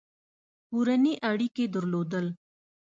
کورني اړیکي درلودل.